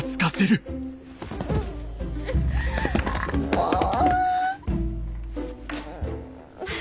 もう。